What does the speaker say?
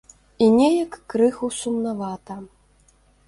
І неяк крыху сумнавата.